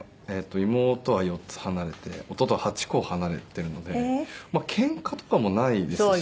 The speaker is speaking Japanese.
妹は４つ離れて弟は８個離れてるのでまあケンカとかもないですし。